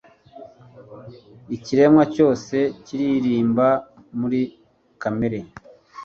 ikiremwa cyose kiririmba muri kamere